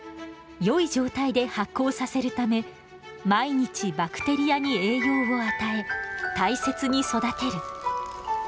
よい状態で発酵させるため毎日バクテリアに栄養を与え大切に育てる。